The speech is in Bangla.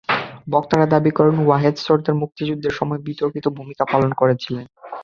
বক্তারা দাবি করেন, ওয়াহেদ সরদার মুক্তিযুদ্ধের সময় বিতর্কিত ভূমিকা পালন করেছিলেন।